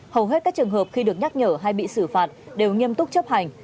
hầu hết các trường hợp khi được nhắc nhở hay bị xử phạt đều nghiêm túc chấp hành